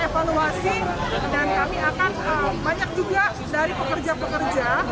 kita akan terus mengevaluasi dan kami akan banyak juga dari pekerja pekerja